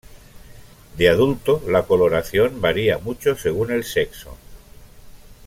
De adulto, la coloración varía mucho según el sexo.